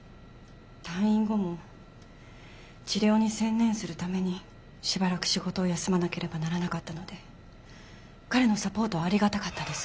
退院後も治療に専念するためにしばらく仕事を休まなければならなかったので彼のサポートはありがたかったです。